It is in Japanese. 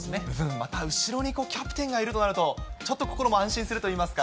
また後ろにキャプテンがいるとなると、ちょっと心も安心するといいますか。